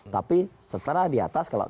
tapi secara di atas